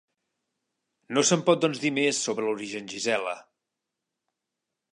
No se'n pot doncs dir més sobre l'origen Gisela.